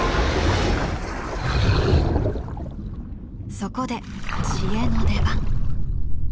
そこで知恵の出番。